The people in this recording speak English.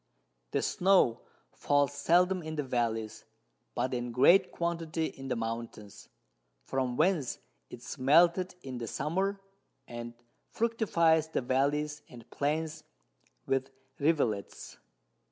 The Snow falls seldom in the Vallies, but in great Quantity in the Mountains, from whence it is melted in the Summer, and fructifies the Vallies and Plains with Rivulets.